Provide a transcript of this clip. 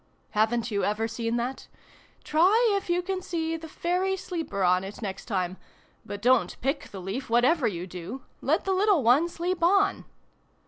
Haven't you ever seen that ? Try if you can see the fairy sleeper on it, next time ; but don't pick the leaf, whatever you do ; let the little one sleep on